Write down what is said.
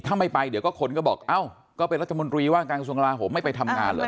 ถ้าไม่ไปเดี๋ยวก็คนก็บอกเอ้าก็เป็นรัฐมนตรีว่าการกระทรวงกลาโหมไม่ไปทำงานเหรอ